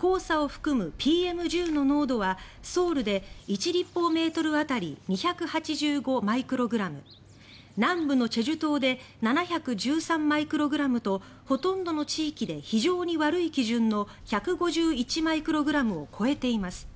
黄砂を含むＰＭ１０の濃度はソウルで１立方メートル当たり２８５マイクログラム南部の済州島で７１３マイクログラムとほとんどの地域で非常に悪い基準の１５１マイクログラムを超えています。